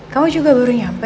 kamu juga baru nyampe